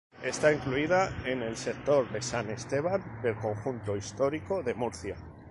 Está incluida en el sector de San Esteban del Conjunto Histórico de Murcia.